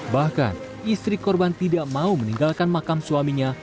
bahkan istri korban tidak mau meninggalkan makam suaminya